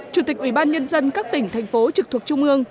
ba chủ tịch ubnd các tỉnh thành phố trực thuộc trung ương